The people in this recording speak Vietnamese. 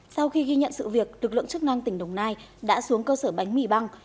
sau khi ghi nhận sự việc lực lượng chức năng tỉnh đồng nai đã xuống cơ sở bánh mì băng